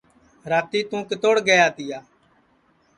راتی توں کِتوڑ گیا تِیا